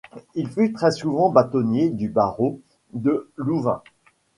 Il fut très souvent bâtonnier du barreau de Louvain.